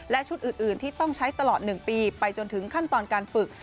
และชุดอื่นที่ต้องใช้ตลอด๑ปีไปจนถึงขั้นตอนการฝึก